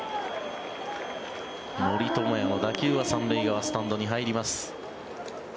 森友哉の打球は３塁側、スタンドに入ります。